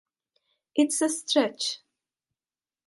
It's a stretch.